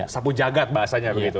sapu jagad bahasanya begitu